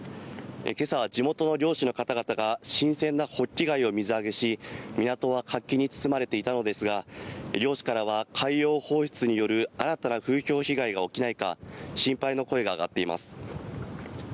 けさ、地元の漁師の方々が、新鮮なホッキ貝を水揚げし、港は活気に包まれていたのですが、漁師からは、海洋放出による新たな風評被害が起きないか、心配の声が上がっています。